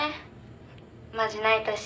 マジ泣いたし」